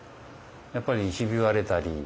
やっぱりひび割れたり。